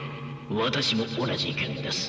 私も同じ意見です。